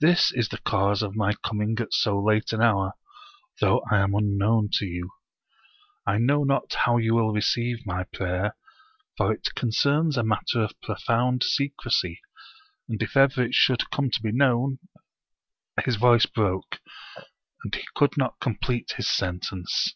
This is the cause of my coming at so late an hour, though I am unknown to you. I know not how you will receive my prayer, for it concerns a matter of profound secrecy, and if ever it should come to be known " His voice broke, and he could not complete his sentence.